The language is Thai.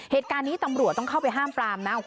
เหตุการณ์นี้ตำรวจต้องเข้าไปห้ามปรามนะ